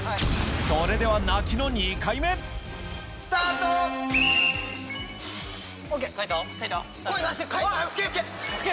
それでは泣きの２回目吹け吹け！